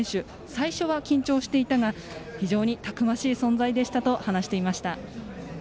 最初は緊張していたが非常にたくましい存在でしたと話していました。